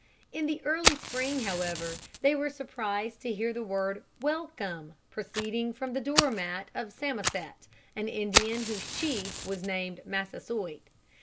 In the early spring, however, they were surprised to hear the word "Welcome" proceeding from the door mat of Samoset, an Indian whose chief was named Massasoit.